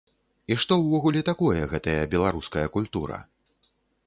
І што ўвогуле такое гэтая беларуская культура.